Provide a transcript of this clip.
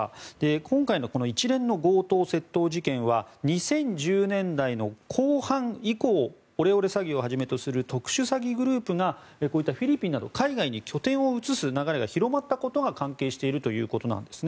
今回の一連の強盗・窃盗事件は２０１０年代の後半以降オレオレ詐欺をはじめとする特殊詐欺グループがこういったフィリピンなど海外に拠点を移す流れが広まったことが関係しているということなんですね。